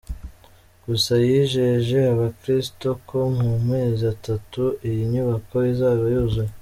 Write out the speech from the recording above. Gusa yijeje abakristo ko mu mezi atatu iyi nyubako izaba yuzuye.